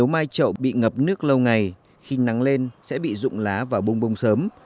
mai trậu bị ngập nước lâu ngày khi nắng lên sẽ bị rụng lá và bông bông sớm